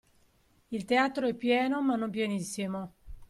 Il teatro è pieno ma non pienissimo